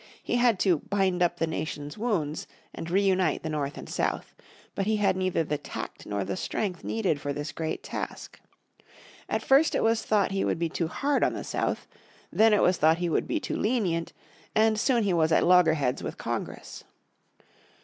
He had "to bind up the nation's wounds" and re unite the North and South. But he had neither the tact nor the strength needed for this great task. At first it was thought he would be too hard on the South. Then it was thought he would be too lenient, and soon he was at loggerheads with Congress.